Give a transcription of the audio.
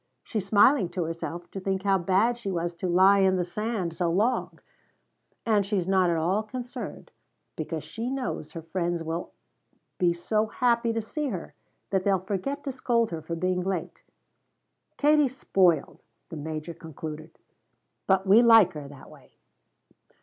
She's smiling to herself to think how bad she was to lie in the sand so long, and she's not at all concerned, because she knows her friends will be so happy to see her that they'll forget to scold her for being late. Katie's spoiled," the Major concluded, "but we like her that way."